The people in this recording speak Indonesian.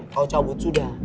kau cabut sudah